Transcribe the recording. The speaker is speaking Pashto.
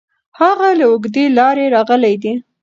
هغه له اوږدې لارې راغلی دی.